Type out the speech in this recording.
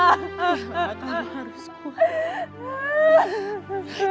aku tahu kamu harus kuat